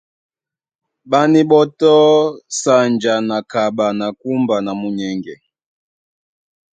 Ɓá níɓɔ́tɔ́ sanja na kaɓa na kúmba na munyɛŋgɛ.